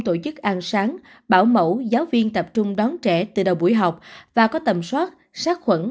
tổ chức ăn sáng bảo mẫu giáo viên tập trung đón trẻ từ đầu buổi học và có tầm soát sát khuẩn